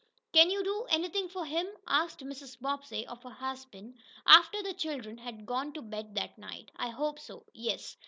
"Can you do anything for him?" asked Mrs. Bobbsey of her husband, after the children had gone to bed that night. "I hope so, yes.